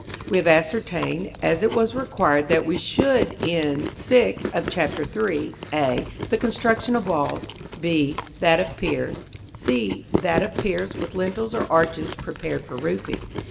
We have ascertained, as it was required that we should in § VI. of Chap. III. (A), the construction of walls; (B), that of piers; (C), that of piers with lintels or arches prepared for roofing.